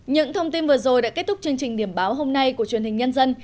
những thông tin vừa rồi đã kết thúc chương trình điểm báo hôm nay của truyền hình nhân dân